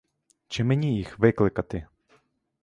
Чи мені їх викликати?